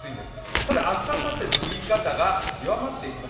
ただ、明日あさってと降り方が弱まってきます。